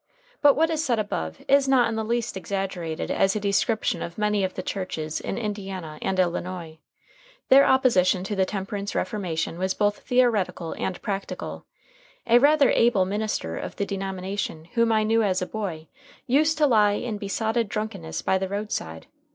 But what is said above is not in the least exaggerated as a description of many of the churches in Indiana and Illinois. Their opposition to the temperance reformation was both theoretical and practical. A rather able minister of the denomination whom I knew as a boy used to lie in besotted drunkenness by the roadside.